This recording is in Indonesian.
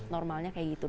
normalnya seperti itu